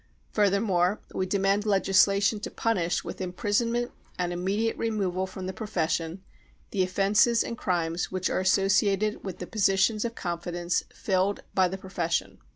Furthermore, we demand legislation to punish with imprisonment and immediate removal from the pro fession the offences and crimes which are associated with the positions of confidence filled by the profession.